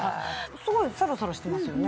すごいサラサラしてますよね。